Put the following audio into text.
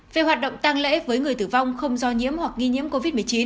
về hoạt động tăng lễ với người tử vong không do nhiễm hoặc nghi nhiễm covid một mươi chín